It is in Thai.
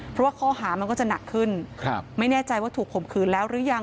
เพราะว่าข้อหามันก็จะหนักขึ้นครับไม่แน่ใจว่าถูกข่มขืนแล้วหรือยัง